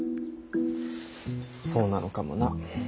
そうなのかもな。